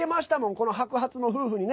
この白髪の夫婦にね。